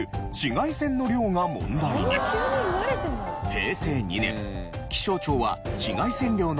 平成２年気象庁は紫外線量の観測を開始。